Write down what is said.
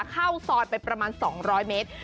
เข้าซอยไปประมาณ๒๐๐เมตร